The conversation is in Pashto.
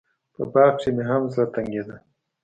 په باغ کښې مې هم زړه تنګېده.